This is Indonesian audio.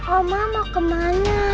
oma mau kemana